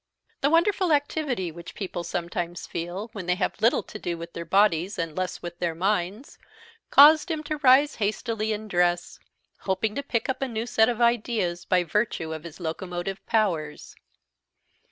The wonderful activity which people sometimes feel when they have little to do with their bodies, and less with their minds, caused him to rise hastily and dress, hoping to pick up a new set of ideas by virtue of his locomotive powers.